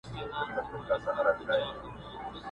« که مي څوک په فقیری شمېري فقیر سم.!